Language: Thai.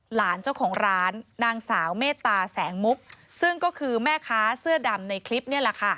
หลานเจ้าของร้านนางสาวเมตตาแสงมุกซึ่งก็คือแม่ค้าเสื้อดำในคลิปนี่แหละค่ะ